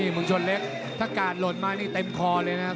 เมืองชนเล็กถ้ากาดหล่นมานี่เต็มคอเลยนะครับ